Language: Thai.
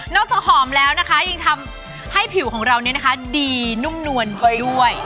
นอกจากหอมแล้วนะคะยังทำให้ผิวของเราเนี่ยนะคะดีนุ่มนวลด้วย